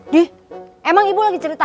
di emang ibu lagi ceritain